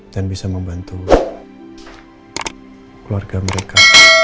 dan bisa membantu keluarga mereka